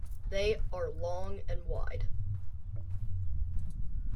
They are long and wide.